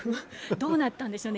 どうなったんでしょうね？